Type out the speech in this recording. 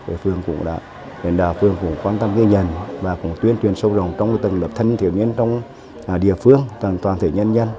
đảng phương cũng quan tâm người dân và cũng tuyên truyền sâu rộng trong tầng lập thân thiểu nhân trong địa phương toàn thể nhân nhân